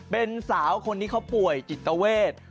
เป็นสาวคนที่เขาป่วยจิตเวท